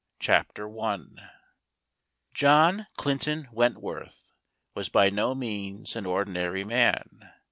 Chapter I. John Clinton Wentworth was by no means an ordi¬ nary man.